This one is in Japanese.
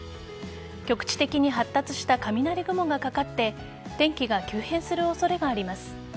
局地的に発達した雷雲がかかって天気が急変する恐れがあります。